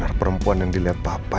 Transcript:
apakah perempuan yang dilihat bapak